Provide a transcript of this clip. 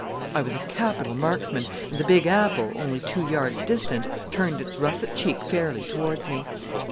I was a capital marksman, and the big apple, only two yards distant, turned its russet cheek fairly towards me.